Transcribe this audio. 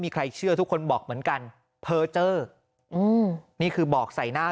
มีใครเชื่อทุกคนบอกเหมือนกันเพอร์เจออืมนี่คือบอกใส่หน้า